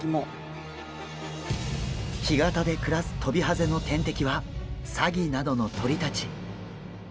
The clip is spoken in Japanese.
干潟で暮らすトビハゼの天敵はサギなどの鳥たち。